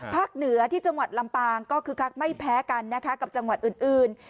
เหนือที่จังหวัดลำปางก็คึกคักไม่แพ้กันนะคะกับจังหวัดอื่น